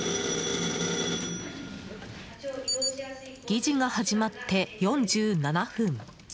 議事が始まって４７分。